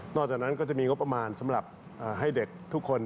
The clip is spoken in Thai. จากนั้นก็จะมีงบประมาณสำหรับให้เด็กทุกคน